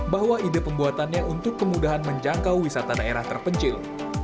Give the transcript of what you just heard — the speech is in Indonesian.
bahwa ide pembuatannya untuk kemudahan menjangkau wisata daerah terpencil